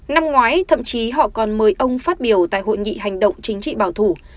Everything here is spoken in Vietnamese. năm ngoái thậm chí họ còn mời ông phát biểu tại hội nghị hành động chính trị bảo thủ